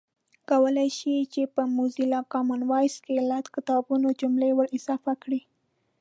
کولای شئ چې په موزیلا کامن وایس کې له کتابونو جملې ور اضافه کړئ